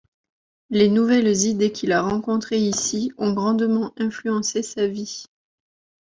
Les nouvelles idées qu'il a rencontrés ici ont grandement influencé sa vie.